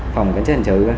phòng cảnh sát hành trực